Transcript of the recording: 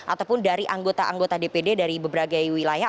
ataupun dari anggota anggota dpd dari berbagai wilayah